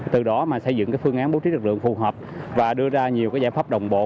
từ đó mà xây dựng phương án bố trí lực lượng phù hợp và đưa ra nhiều giải pháp đồng bộ